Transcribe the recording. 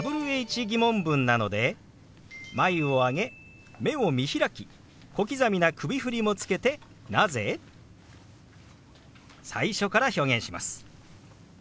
ー疑問文なので眉を上げ目を見開き小刻みな首振りもつけて「なぜ？」。最初から表現します。